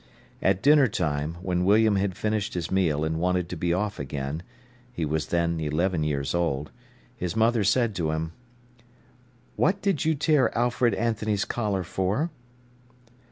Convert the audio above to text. At dinner time, when William had finished his meal and wanted to be off again—he was then eleven years old—his mother said to him: "What did you tear Alfred Anthony's collar for?"